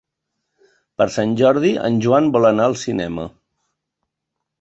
Per Sant Jordi en Joan vol anar al cinema.